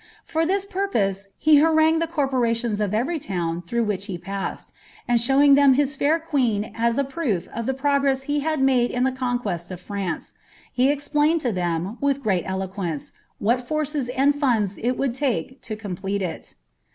For this purpose he harangueil the corpontjona of r»ny tmni through which he passed ; and showing ihem his kit queen H • paaf of (he progress he had made in the ronquesl of France, be i i|ilaiiwJ la theni, with great eloquence, what forces anil runds h wouM Mke to complete il.